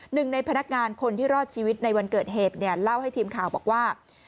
หนึ่งในพนักงานคนที่รอดชีวิตในวันเกิดเหตุเนี่ยเล่าให้ทีมข่าวบอกว่า